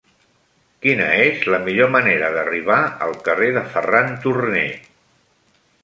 Quina és la millor manera d'arribar al carrer de Ferran Turné?